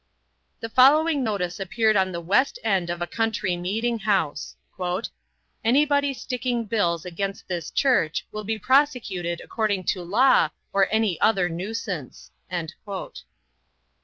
The following notice appeared on the west end of a country meeting house: "Anybody sticking bills against this church will be prosecuted according to law or any other nuisance."